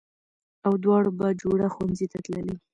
او دواړه بهجوړه ښوونځي ته تللې